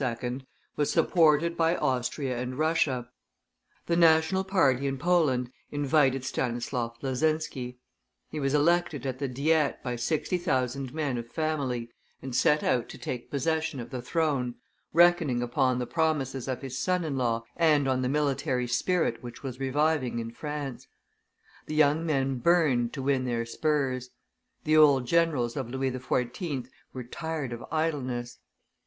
was supported by Austria and Russia; the national party in Poland invited Stanislaus Leckzinski; he was elected at the Diet by sixty thousand men of family, and set out to take possession of the throne, reckoning upon the promises of his son in law, and on the military spirit which was reviving in France. The young men burned to win their spurs; the old generals of Louis XIV. were tired of idleness.